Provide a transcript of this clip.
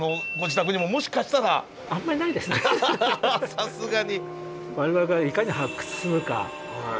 さすがに。